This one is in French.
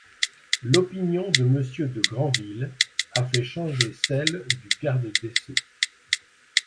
L’opinion de monsieur de Grandville a fait changer celle du Garde-des-Sceaux.